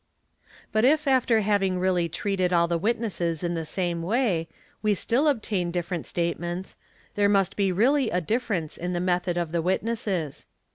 : But if after having really treated all the witnesses in the same way, : we still obtain different statements, there must be really a difference in "the method of the witnesses.